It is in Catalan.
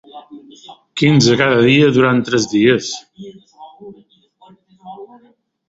Quinze cada dia, durant tres dies.